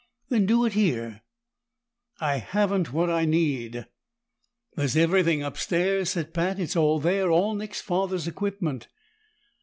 "Then do it here." "I haven't what I need." "There's everything upstairs," said Pat. "It's all there, all Nick's father's equipment."